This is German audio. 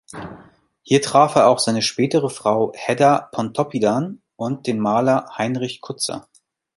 Hier traf er auch seine spätere Frau Hedda Pontoppidan und den Maler Heinrich Kutzer.